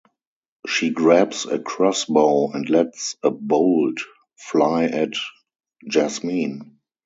She grabs a crossbow and lets a bolt fly at Jasmine.